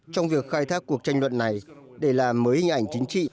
trong việc khai thác cuộc tranh luận này để làm mới hình ảnh chính trị